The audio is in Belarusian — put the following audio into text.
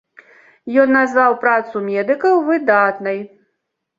Ён назваў працу медыкаў выдатнай.